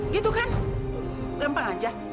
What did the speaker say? gitu kan gampang aja